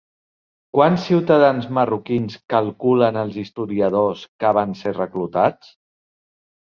Quants ciutadans marroquins calculen els historiadors que van ser reclutats?